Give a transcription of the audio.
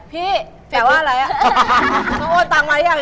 พี่แปรว่าอะไรอะ